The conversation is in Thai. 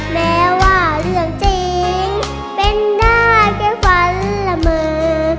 แม้ว่าเรื่องจริงเป็นได้แค่ฝันละเมอ